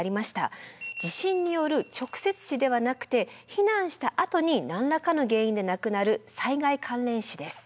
地震による直接死ではなくて避難したあとに何らかの原因で亡くなる災害関連死です。